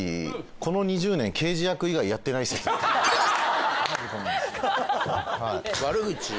この２０年刑事役以外やってない説ハハハハ悪口